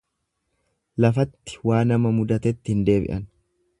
Lafatti waa nama mudatetti hin deebi'an.